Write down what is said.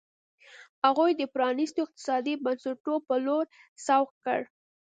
هغوی د پرانیستو اقتصادي بنسټونو په لور سوق کړ.